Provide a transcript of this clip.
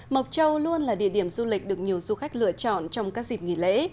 mộc châu luôn là địa điểm du lịch được nhiều du khách lựa chọn trong các dịp nghỉ lễ